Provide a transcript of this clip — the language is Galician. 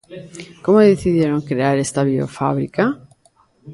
Como decidiron crear esta biofábrica?